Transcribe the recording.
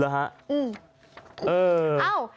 หรือฮะเอออ้าว